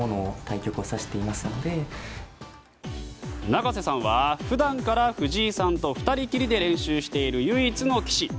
永瀬さんは、普段から藤井さんと２人きりで練習している唯一の棋士。